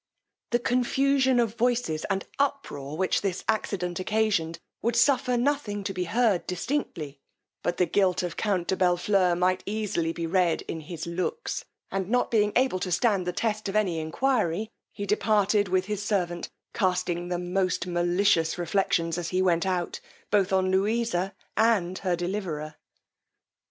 The confusion of voices and uproar which this accident occasioned, would suffer nothing to be heard distinctly; but the guilt of count Bellfleur might easily be read in his looks, and not able to stand the test of any enquiry, he departed with his servant, casting the most malicious reflections as he went out, both on Louisa and her deliverer.